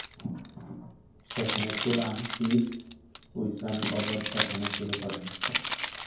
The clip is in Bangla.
সেখানে কুরআন, হিফজ ও ইসলামী গজল শেখানো শুরু করেন।